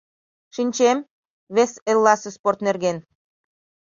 — Шинчем, вес элласе спорт нерген.